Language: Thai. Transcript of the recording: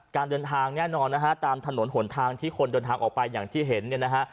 การเดินทางแน่นอนนะฮะตามถนนหนทางที่คนเดินทางออกไปอย่างที่เห็นเนี่ยนะฮะ